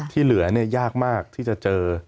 ที่เหลือยากมากที่จะเจอ